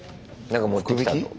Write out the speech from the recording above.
何か持ってきたぞ。